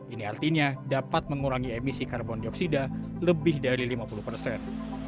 ini artinya dapat mengurangi emisi karbon dioksida lebih dari lima puluh persen